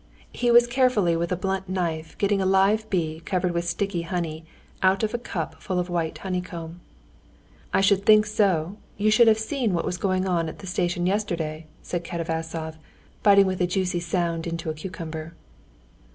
He was carefully with a blunt knife getting a live bee covered with sticky honey out of a cup full of white honeycomb. "I should think so! You should have seen what was going on at the station yesterday!" said Katavasov, biting with a juicy sound into a cucumber.